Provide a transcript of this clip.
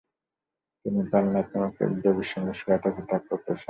তিনি পালনাথ নামক এক যোগীর সঙ্গে সোয়াট উপত্যকা পৌঁছন।